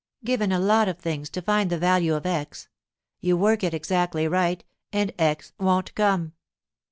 'Given a lot of things, to find the value of x. You work it exactly right and x won't come.